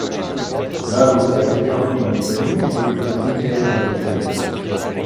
La Russia ritirò quindi i suoi ministri e consiglieri dalla Bulgaria.